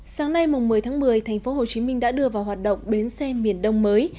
sáng nay một mươi tháng một mươi tp hcm đã đưa vào hoạt động bến xe miền đông mới